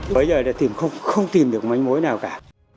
bây giờ là không tìm được mấy mối nào cả